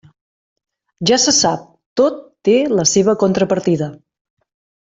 Ja se sap, tot té la seva contrapartida.